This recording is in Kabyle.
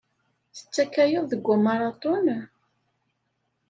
Tettekkayeḍ deg umaraṭun?